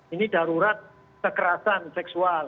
ini darurat kekerasan seksual